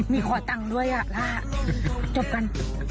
มีหว่าตังค์ด้วยนะจบกัน